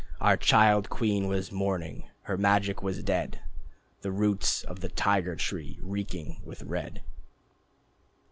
Our child queen was mourning, her magic was dead, The roots of the Tiger Tree reeking with red.